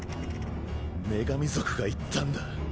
女神族が言ったんだ。